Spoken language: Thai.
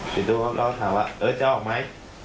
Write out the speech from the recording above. ปิดตู้แล้วก็ถามว่าเอิร์ทจะออกไหม